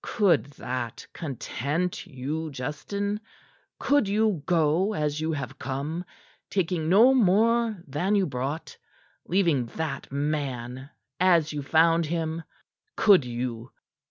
"Could that content you, Justin? Could you go as you have come taking no more than you brought; leaving that man as you found him? Could you?"